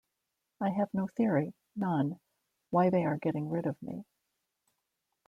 I have no theory, none, why they are getting rid of me.